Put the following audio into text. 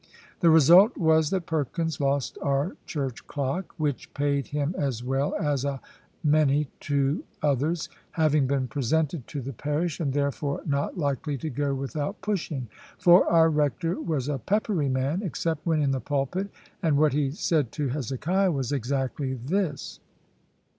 The result was that Perkins lost our church clock, which paid him as well as a many two others, having been presented to the parish, and therefore not likely to go without pushing. For our rector was a peppery man, except when in the pulpit, and what he said to Hezekiah was exactly this.